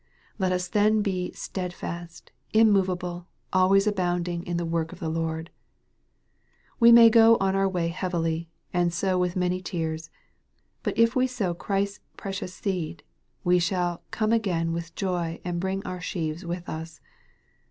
Let us then be " stedfast, im movable, always abounding in the work of the Lord." We may go on our way heavily, and sow with many tears ; but if we sow Christ's precious seed, we shall " come again with joy and bring our sheaves with us."